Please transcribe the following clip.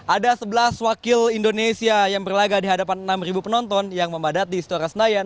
ada sebelas wakil indonesia yang berlaga di hadapan enam penonton yang memadat di storasnayan